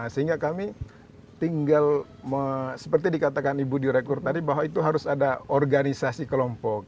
sehingga kami tinggal seperti dikatakan ibu direktur tadi bahwa itu harus ada organisasi kelompok